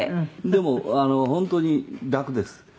「でも本当に楽です